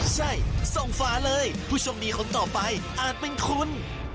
ใช่ส่งฝาเลยผู้โชคดีคนต่อไปอาจเป็นคุณ